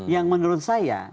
yang menurut saya